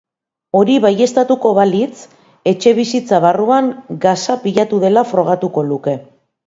Hori baieztatuko balitz, etxebizitza barruan gasa pilatu dela frogatuko luke.